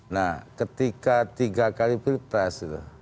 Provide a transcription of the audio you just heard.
nah ketika tiga kali pilpres